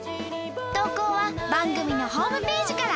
投稿は番組のホームページから。